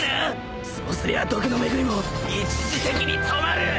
そうすりゃ毒の巡りも一時的に止まる！